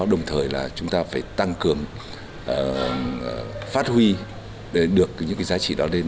đồng thời là chúng ta phải tăng cường phát huy để được những cái giá trị đó lên